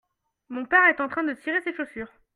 mon père est en train de cirer ses chaussures.